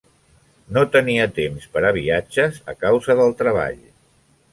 No tenia temps per a viatges a causa del treball.